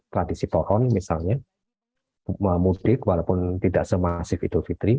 tradisi pohon misalnya mudik walaupun tidak semasif idul fitri